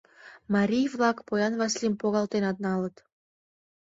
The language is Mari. Марий-влак поян Васлийым погалтенат налыт.